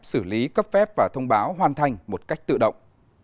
xử lý cấp phép và thông báo hoàn thành một cách tự động